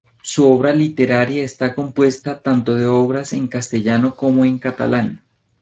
Su obra literaria está compuesta tanto de obras en castellano como en catalán.